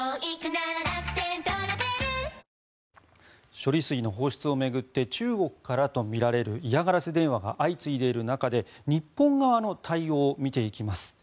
処理水の放出を巡って中国からとみられる嫌がらせ電話が相次いでいる中で、日本側の対応見ていきます。